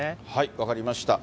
分かりました。